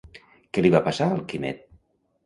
Què li va passar al Quimet?